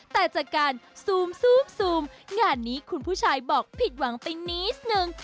แต่จากการซูมซูมซูมงานนี้คุณผู้ชายบอกผิดหวังไปนี้ส์หนึ่ง